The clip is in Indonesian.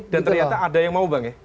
ternyata ada yang mau bang ya